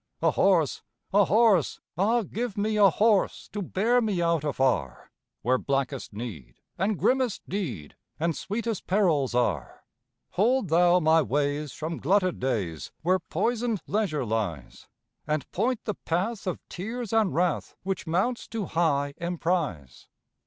A horse! A horse! Ah, give me a horse, To bear me out afar, Where blackest need and grimmest deed, And sweetest perils are. Hold thou my ways from glutted days, Where poisoned leisure lies, And point the path of tears and wrath Which mounts to high emprise.